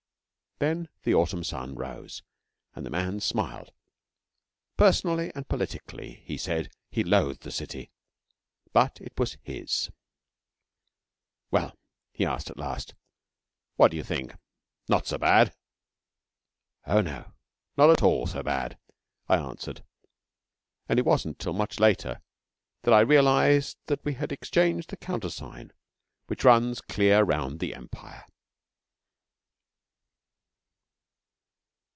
Then the autumn sun rose, and the man smiled. Personally and politically he said he loathed the city but it was his. 'Well,' he asked at last, 'what do you think? Not so bad?' 'Oh no. Not at all so bad,' I answered; and it wasn't till much later that I realised that we had exchanged the countersign which runs clear round the Empire.